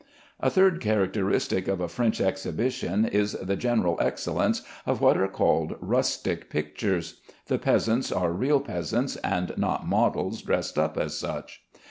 A third characteristic of a French exhibition is the general excellence of what are called rustic pictures. The peasants are real peasants, and not models dressed up as such.